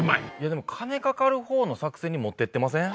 でも金かかる方の作戦に持っていってません？